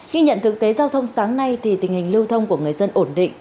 ghi nhận thực tế giao thông sáng nay tình hình lưu thông của người dân ổn định